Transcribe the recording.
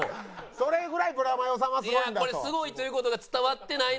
それぐらいブラマヨさんはすごいんだと。